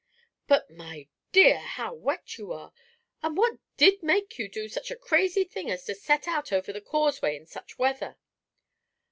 But, my dear, how wet you are! And what did make you do such a crazy thing as to set out over the causeway in such weather?"